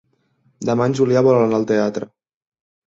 Demà en Julià vol anar al teatre.